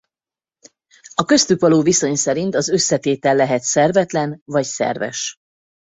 A köztük való viszony szerint az összetétel lehet szervetlen vagy szerves.